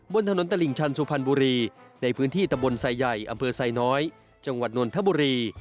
บนถนนตลิ่งชันสุพรรณบุรีในพื้นที่ตะบนไซใหญ่อำเภอไซน้อยจังหวัดนนทบุรี